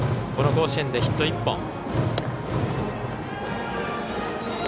この甲子園でヒット１本。